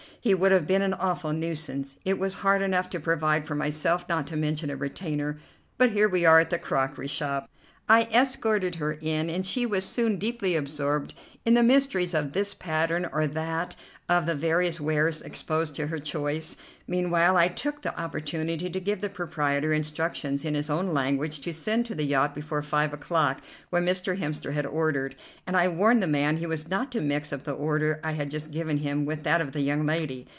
He would have been an awful nuisance. It was hard enough to provide for myself, not to mention a retainer. But here we are at the crockery shop." I escorted her in, and she was soon deeply absorbed in the mysteries of this pattern or that of the various wares exposed to her choice. Meanwhile I took the opportunity to give the proprietor instructions in his own language to send to the yacht before five o'clock what Mr. Hemster had ordered, and I warned the man he was not to mix up the order I had just given him with that of the young lady.